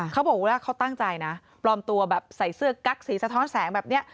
เขาบอกว่าเขาตั้งใจนะปลอมตัวแบบใส่เสื้อกั๊กสีสะท้อนแสงแบบนี้